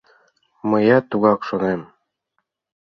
— Мыят тугак шонем.